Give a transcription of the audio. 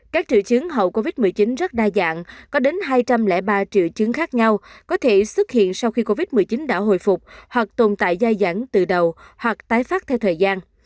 các triệu chứng hậu covid một mươi chín rất đa dạng có đến hai trăm linh ba triệu chứng khác nhau có thể xuất hiện sau khi covid một mươi chín đã hồi phục hoặc tồn tại dài dẳng từ đầu hoặc tái phát theo thời gian